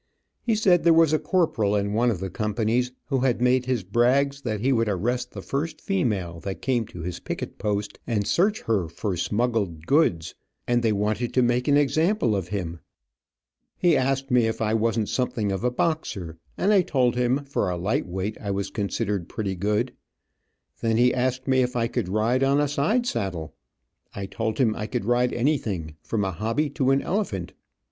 He said there was a corporal in one of the companies who had made his brags that he would arrest the first female that came to his picket post, and search her for smuggled goods, and they wanted to make an example of him. He asked me if I wasn't something of a boxer, and I told him for a light weight I was considered pretty good. Then he asked me if I could ride on a side saddle. I told him I could ride anything, from a hobby to an elephant.